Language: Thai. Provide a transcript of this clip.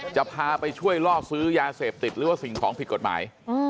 จะพาไปช่วยล่อซื้อยาเสพติดหรือว่าสิ่งของผิดกฎหมาย